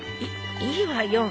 いいいわよ。